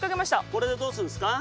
これでどうするんですか？